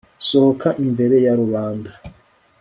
Sohoka imbere ya rubanda